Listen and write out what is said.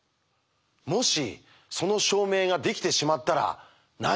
もしその証明ができてしまったら何が起きるのか。